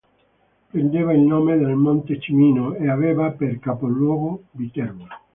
Prendeva il nome dal monte Cimino e aveva per capoluogo Viterbo.